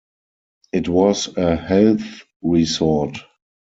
It was a health resort.